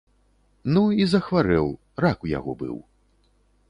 Ну, і захварэў, рак у яго быў.